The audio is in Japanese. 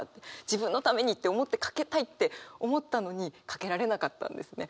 自分のためにって思ってかけたいって思ったのにかけられなかったんですね。